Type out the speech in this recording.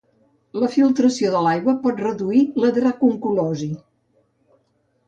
La filtració de l'aigua pot reduir la dracunculosi.